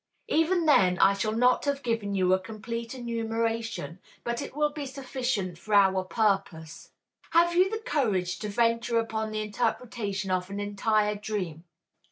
Even then I shall not have given you a complete enumeration, but it will be sufficient for our purpose. Have you the courage to venture upon the interpretation of an entire dream?